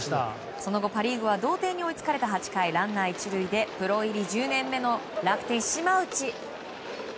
その後、パ・リーグは同点に追いつかれた８回プロ入り１０年目の楽天、島内。